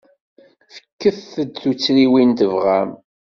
Fket-d tuttriwin tebɣam.